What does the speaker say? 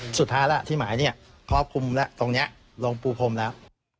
สุดท้ายแล้วที่หมายเนี่ยครอบคลุมแล้วตรงนี้ลงปูพรมแล้ว